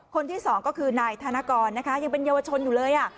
คนที่สองก็คือนายธนกรนะคะยังเป็นเยาวชนอยู่เลย